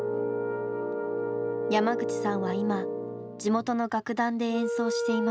山口さんは今地元の楽団で演奏しています。